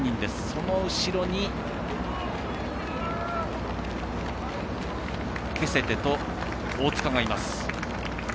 その後ろにケセテと大塚がいます。